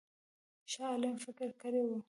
شاه عالم فکر کړی وو.